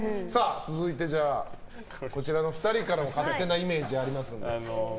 続いて、こちらの２人からも勝手なイメージありますので。